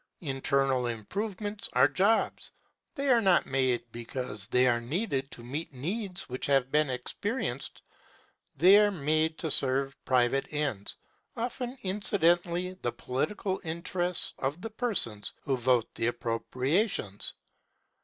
Internal improvements are jobs. They are not made because they are needed to meet needs which have been experienced. They are made to serve private ends, often incidentally the political interests of the persons who vote the appropriations.